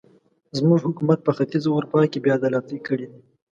زموږ حکومت په ختیځه اروپا کې بې عدالتۍ کړې دي.